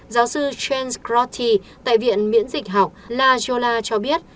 giáo sư james crotty tại viện miễn dịch học la giola cho biết